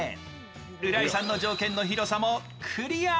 浦井さんの条件の広さもクリア。